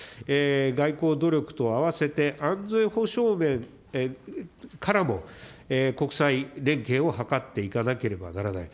外交努力とあわせて、安全保障面からも国際連携を図っていかなければならない。